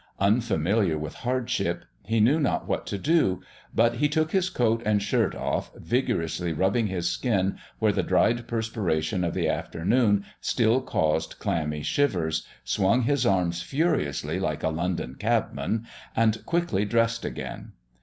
Unfamiliar with hardship, he knew not what to do, but he took his coat and shirt off, vigorously rubbed his skin where the dried perspiration of the afternoon still caused clammy shivers, swung his arms furiously like a London cabman, and quickly dressed again.